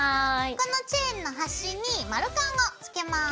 このチェーンの端に丸カンをつけます。